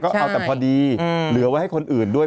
ก็เอาแต่พอดีเหลือไว้ให้คนอื่นด้วย